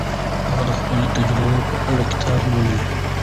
هغه د خپلو تجربو په اړه کتاب لیکلی.